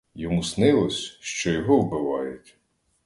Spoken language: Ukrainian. Йому снилось, що його вбивають.